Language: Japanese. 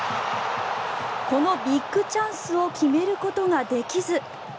このビッグチャンスを決めることができず。